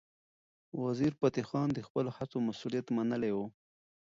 وزیرفتح خان د خپلو هڅو مسؤلیت منلی و.